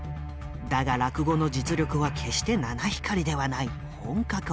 だが落語の実力は決して七光りではない本格派。